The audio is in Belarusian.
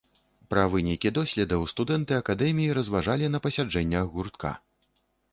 Пра вынікі доследаў студэнты акадэміі разважалі на пасяджэннях гуртка.